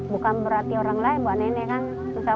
bukan berarti orang lain buah nenekan